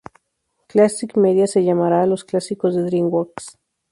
Classic Media se llamará a los clásicos de DreamWorks.